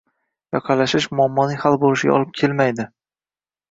yoqalashish muammoning hal bo‘lishiga olib kelmaydi.